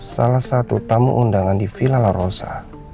salah satu tamu undangan di villa la rosa